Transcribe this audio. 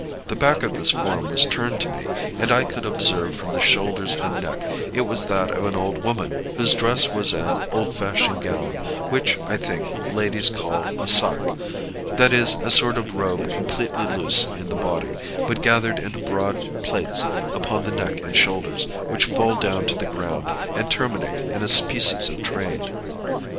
The back of this form was turned to me, and I could observe, from the shoulders and neck, it was that of an old woman, whose dress was an old fashioned gown, which, I think, ladies call a sacque; that is, a sort of robe completely loose in the body, but gathered into broad plaits upon the neck and shoulders which fall down to the ground and terminate in a species of train.